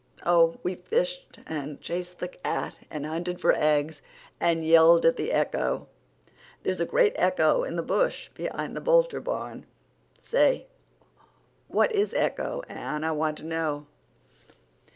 "Oh, we fished and chased the cat, and hunted for eggs, and yelled at the echo. There's a great echo in the bush behind the Boulter barn. Say, what is echo, Anne; I want to know."